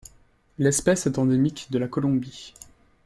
L'espèce est endémique de la Colombie.